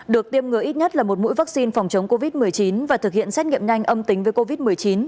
được tiêm ngừa ít nhất là một mũi vaccine phòng chống covid một mươi chín và thực hiện xét nghiệm nhanh âm tính với covid một mươi chín